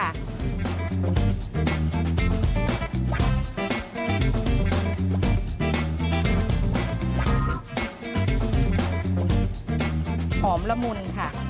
แล้วก็ข้าวหน้าเป็ดค่ะ